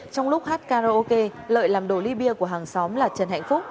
trong lúc hát karaoke lợi làm đồ ly bia của hàng xóm là trần hạnh phúc